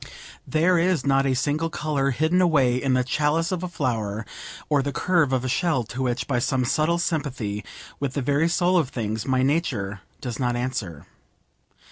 There is not a single colour hidden away in the chalice of a flower, or the curve of a shell, to which, by some subtle sympathy with the very soul of things, my nature does not answer.